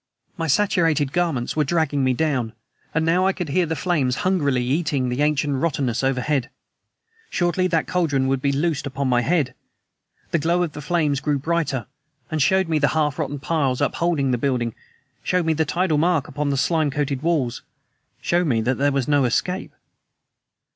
My saturated garments were dragging me down, and now I could hear the flames hungrily eating into the ancient rottenness overhead. Shortly that cauldron would be loosed upon my head. The glow of the flames grew brighter ... and showed me the half rotten piles upholding the building, showed me the tidal mark upon the slime coated walls showed me that there was no escape!